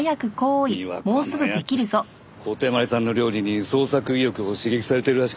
美和子の奴小手鞠さんの料理に創作意欲を刺激されているらしくて。